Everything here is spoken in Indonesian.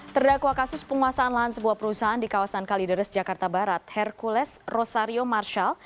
terdakwa kasus penguasaan lahan sebuah perusahaan di kawasan kalideres jakarta barat hercules rosario marshall